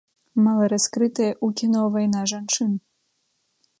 Мала раскрытая ў кіно вайна жанчын.